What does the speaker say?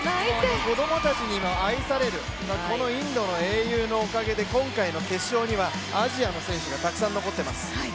子供たちにも愛される、このインドの英雄のおかげで今度の決勝には、アジアの選手がたくさん残ってます。